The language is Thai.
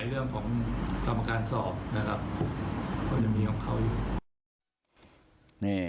เรื่องของกรรมการสอบนะครับก็ยังมีของเขาอยู่